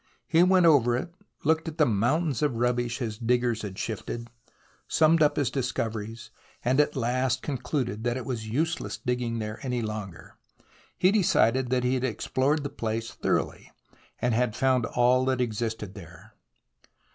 He went over it, looked at the mountains of rubbish his diggers had shifted, summed up his discoveries, and at last concluded that it was useless digging there any longer. He decided that he had explored the place thoroughly, and had found all that existed there.